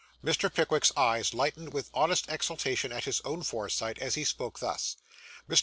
Mr. Pickwick's eyes lightened with honest exultation at his own foresight, as he spoke thus. Mr.